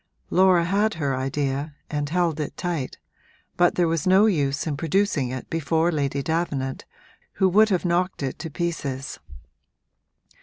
Laura had her idea and held it tight, but there was no use in producing it before Lady Davenant, who would have knocked it to pieces.